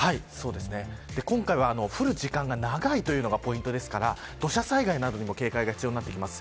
今回は降る時間が長いというのがポイントですから土砂災害などにも警戒が必要になってきます。